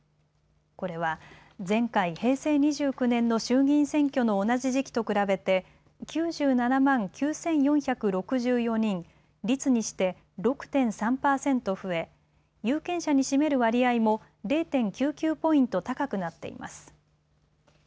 これは前回・平成２９年の衆議院選挙の同じ時期と比べて９７万９４６４人、率にして６．３％増え有権者に占める割合も０．９９ポイント高くなっています。